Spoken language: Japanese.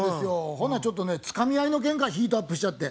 ほなちょっとねつかみ合いのけんかヒートアップしちゃって。